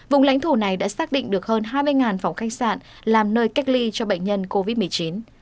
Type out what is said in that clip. vùng lãnh thổ này đã xác định được hơn hai mươi phòng khách sạn làm nơi cách ly cho bệnh nhân covid một mươi chín